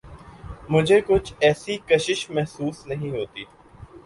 مجھے کچھ ایسی کشش محسوس نہیں ہوتی۔